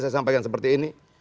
saya sampaikan seperti ini